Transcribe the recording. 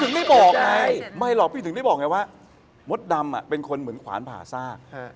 ไม่บอกไงไม่หรอกพี่ถึงได้บอกไงว่ามดดำเป็นคนเหมือนขวานผ่าซาก